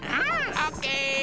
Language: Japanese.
オッケー！